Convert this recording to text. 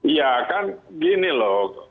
ya kan gini loh